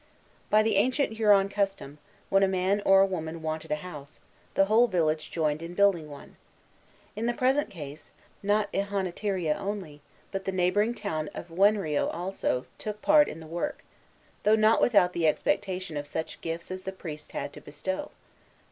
By the ancient Huron custom, when a man or a family wanted a house, the whole village joined in building one. In the present case, not Ihonatiria only, but the neighboring town of Wenrio also, took part in the work, though not without the expectation of such gifts as the priests had to bestow.